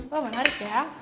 wah menarik ya